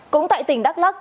cũng tại tỉnh đắk lắc